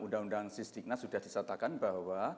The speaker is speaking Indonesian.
undang undang sistik nah sudah disatakan bahwa